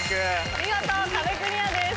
見事壁クリアです。